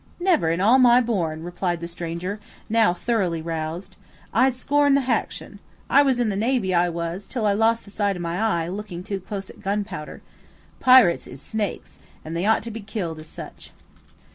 "Never in all my born," replied the stranger, now thoroughly roused; "I'd scorn the haction. I was in the navy, I was, till I lost the sight of my eye, looking too close at gunpowder. Pirates is snakes, and they ought to be killed as such."